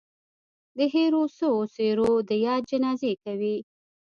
د هېرو سوو څهرو د ياد جنازې کوي